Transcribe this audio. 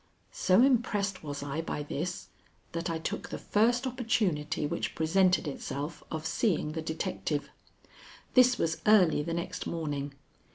So impressed was I by this, that I took the first opportunity which presented itself of seeing the detective. This was early the next morning.